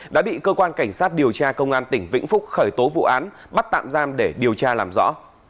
đã bị cơ quan cảnh sát điều tra công an tỉnh vĩnh phúc khởi tố vụ án bắt tạm giam để điều tra làm rõ